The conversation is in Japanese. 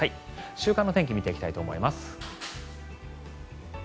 週間の天気見ていきたいと思います。